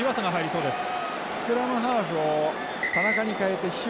そうですね